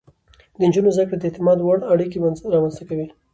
د نجونو زده کړه د اعتماد وړ اړيکې رامنځته کوي.